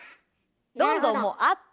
どんどんもうあった。